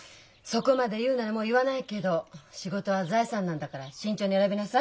そこまで言うならもう言わないけど仕事は財産なんだから慎重に選びなさい。